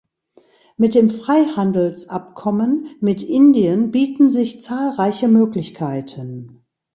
Mit dem Freihandelsabkommen mit Indien bieten sich zahlreiche Möglichkeiten.